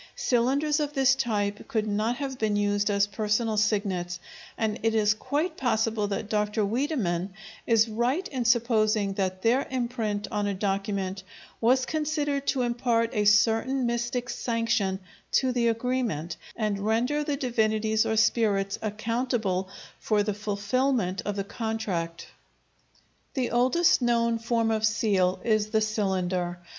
Cylinders of this type could not have been used as personal signets, and it is quite possible that Dr. Wiedemann is right in supposing that their imprint on a document was considered to impart a certain mystic sanction to the agreement, and render the divinities or spirits accountable for the fulfilment of the contract. The oldest known form of seal is the cylinder.